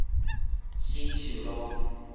新樹路